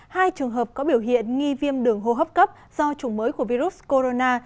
hai trường hợp có biểu hiện nghi viêm đường hô hấp cấp do chủng mới của virus corona